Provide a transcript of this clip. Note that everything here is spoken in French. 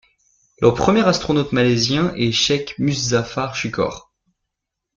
Le premier astronaute malaisien est Sheikh Muszaphar Shukor.